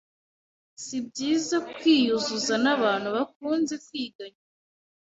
Si byiza kwiyuzuza n’abantu bakunze kwiganyira